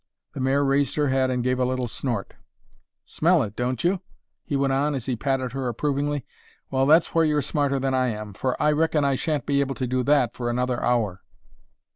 The mare raised her head and gave a little snort. "Smell it, don't you?" he went on as he patted her approvingly. "Well, that's where you're smarter than I am, for I reckon I shan't be able to do that for another hour."